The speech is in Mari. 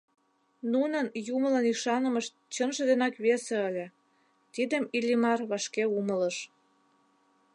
Нунын юмылан ӱшанымышт чынже денак весе ыле, тидым Иллимар вашке умылыш.